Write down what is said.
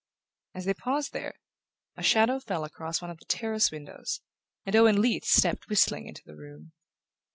As they paused there, a shadow fell across one of the terrace windows, and Owen Leath stepped whistling into the room.